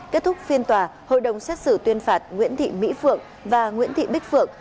kết thúc phiên tòa hội đồng xét xử tuyên phạt nguyễn thị mỹ phượng và nguyễn thị bích phượng